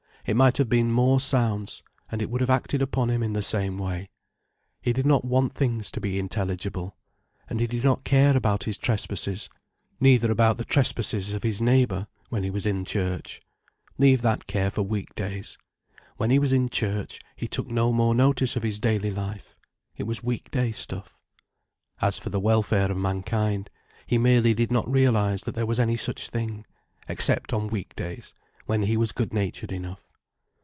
It might have been more sounds, and it would have acted upon him in the same way. He did not want things to be intelligible. And he did not care about his trespasses, neither about the trespasses of his neighbour, when he was in church. Leave that care for weekdays. When he was in church, he took no more notice of his daily life. It was weekday stuff. As for the welfare of mankind—he merely did not realize that there was any such thing: except on weekdays, when he was good natured enough.